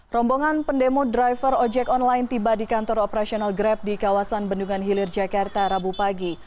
rombongan pendemo driver ojek online tiba di kantor operasional grab di kawasan bendungan hilir jakarta rabu pagi